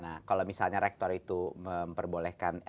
nah kalau misalnya rektor itu memperbolehkan